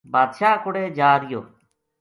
بادشاہ کوڑے جا رہیو